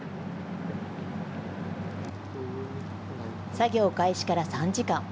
作業開始から３時間。